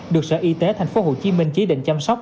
được sở y tế tp hcm chỉ định chăm sóc